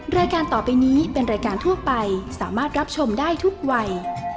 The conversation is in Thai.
รายการต่อไปนี้เป็นรายการทั่วไปสามารถรับชมได้ทุกวัย